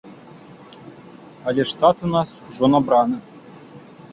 Але штат у нас ужо набраны.